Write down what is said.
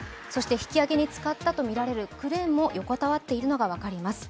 引き揚げに使ったとみられるクレーンも横たわっているのが分かります。